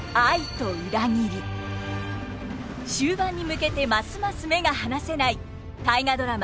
終盤に向けてますます目が離せない大河ドラマ